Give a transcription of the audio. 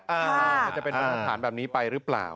มันจะเป็นมาตรฐานแบบนี้ไปหรือเปล่า